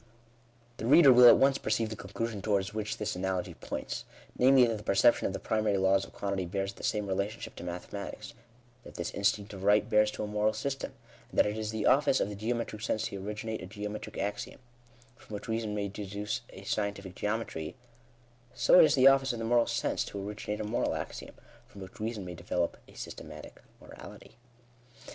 The reader will at once perceive the conclusion towards which this analogy points; namely, that the perception of the primary laws of quantity bears the same relationship to mathematics, that this instinct of right bears to a moral sys tem ; and that as it is the office of the geometric sense to ori ginate a geometric axiom, from which reason may deduce a j scientific geometry, so it is the office of the moral sense to originate a moral axiom, from which reason may develope a systematic morality.